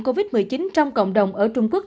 covid một mươi chín trong cộng đồng ở trung quốc